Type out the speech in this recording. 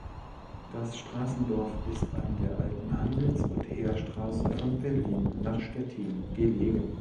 Das Straßendorf ist an der alten Handels- und Heerstraße von Berlin nach Stettin gelegen.